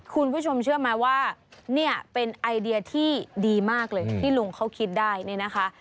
คุณผู้ชมเชื่อไหมว่าเนี่ยเป็นไอเดียที่ดีมากเลยที่ลุงเขาคิดได้เนี่ยนะคะ